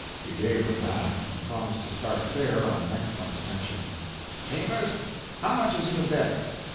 He gave her that, and promised to start fair on next month's pension. "Chambers, how much is you in debt?"